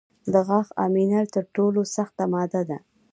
د غاښ امینل تر ټولو سخته ماده ده.